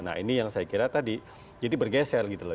nah ini yang saya kira tadi jadi bergeser gitu loh